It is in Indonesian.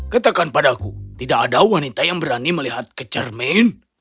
katakan padaku tidak ada wanita yang berani melihat kecermin